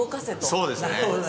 そうですね。